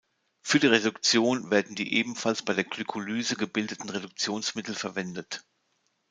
Für die Reduktionen werden die ebenfalls bei der Glykolyse gebildeten Reduktionsmittel verwendet.